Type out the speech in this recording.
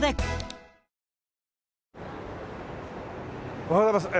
おはようございます。